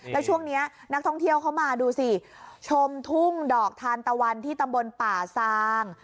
แล้วช่วงนี้นักท่องเที่ยวเข้ามาดูสิชมทุ่งดอกทานตะวันที่ตำบลป่าซาง